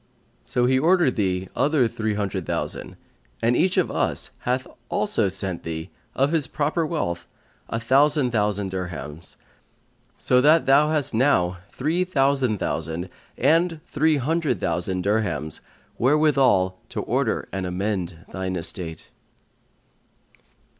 So he ordered thee other three hundred thousand, and each of us hath also sent thee, of his proper wealth, a thousand thousand dirhams: so that thou hast now three thousand thousand and three hundred thousand dirhams wherewithal to order and amend thine estate.'"